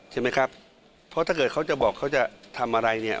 ใช่ไหมครับเพราะถ้าเกิดเขาจะบอกเขาจะทำอะไรเนี่ย